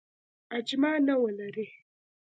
اجماع نه ولري.